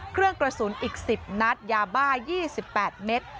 เครื่องกระสุนอีก๑๐นัดยาบ้า๒๘เมตร